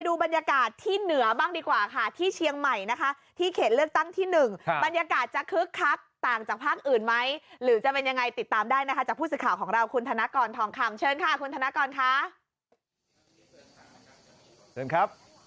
ดูบรรยากาศที่เหนือบ้างดีกว่าค่ะที่เชียงใหม่นะคะที่เขตเลือกตั้งที่๑บรรยากาศจะคึกคักต่างจากภาคอื่นไหมหรือจะเป็นยังไงติดตามได้นะคะจากผู้สื่อข่าวของเราคุณธนกรทองคำเชิญค่ะคุณธนกรค่ะ